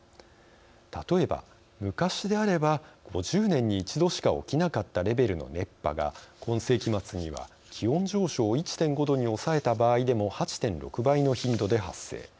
例えば、昔であれば５０年に一度しか起きなかったレベルの熱波が今世紀末には気温上昇を１．５度に抑えた場合でも８．６倍の頻度で発生。